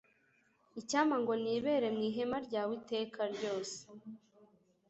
Icyampa ngo nibere mu ihema ryawe iteka ryose